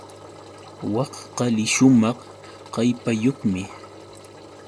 Wak qali shumaq kallpayuqmi.